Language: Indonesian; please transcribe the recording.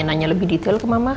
nanya lebih detail ke mama